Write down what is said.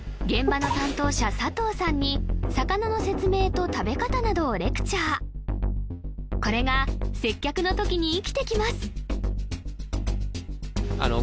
現場の担当者佐藤さんに魚の説明と食べ方などをレクチャーこれが接客のときに生きてきます